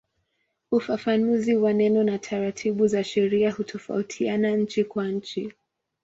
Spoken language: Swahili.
Ufafanuzi wa neno na taratibu za sheria hutofautiana nchi kwa nchi.